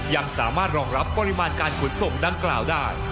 ยังสามารถรองรับปริมาณการขนส่งดังกล่าวได้